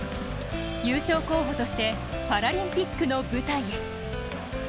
優勝候補としてパラリンピックの舞台へ。